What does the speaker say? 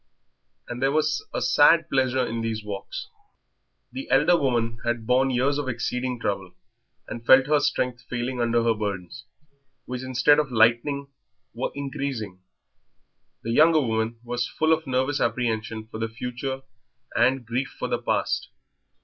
And there was a sad pleasure in these walks. The elder woman had borne years of exceeding trouble, and felt her strength failing under her burdens, which instead of lightening were increasing; the younger woman was full of nervous apprehension for the future and grief for the past.